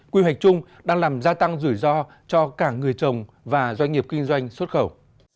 quy hoạch chung đang làm gia tăng rủi ro cho cả người trồng và doanh nghiệp kinh doanh xuất khẩu